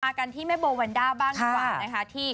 มากันที่แม่โบวันด้าบ้างกว่านะครับ